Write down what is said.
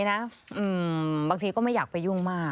อ้าวแล้วเขาก็อยู่ดีก็บอกว่าเสียค่าคงนะจ่ายค่าคงมานะ